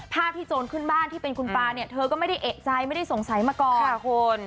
ภาพที่โจรขึ้นบ้านที่เป็นคุณปลาเนี่ยเธอก็ไม่ได้เอกใจไม่ได้สงสัยมาก่อนคุณ